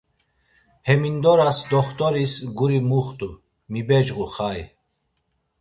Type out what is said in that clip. Hemindoras doxtoris guri muxtu, mibecğu, xai.